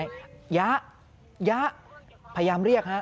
ยะยะพยายามเรียกฮะ